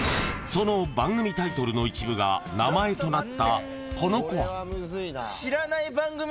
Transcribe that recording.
［その番組タイトルの一部が名前となったこの子は？］